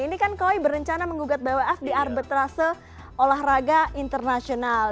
ini kan koi berencana menggugat bwf di arbitra seolah raga internasional